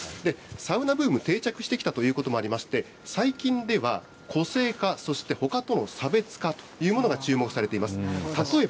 サウナブーム、定着してきたということもありまして、最近では、個性化、そしてほかとの差別化というものが注目されています。